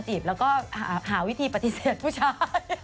มีผู้ชายมาจีบแล้วก็หาวิธีปฏิเสธผู้ชาย